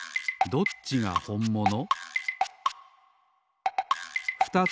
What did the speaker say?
どっちがほんもの？